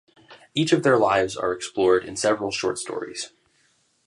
Each of their lives are explored in several short stories.